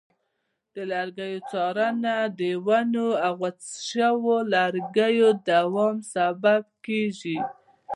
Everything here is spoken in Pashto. د لرګیو څارنه د ونو او غوڅ شویو لرګیو د دوام سبب کېږي.